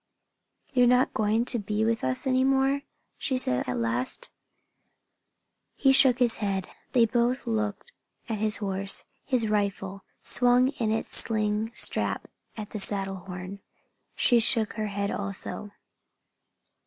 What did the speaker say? "You're not going to be with us any more?" she said at last. He shook his head. They both looked at his horse, his rifle, swung in its sling strap at the saddle horn. She shook her head also.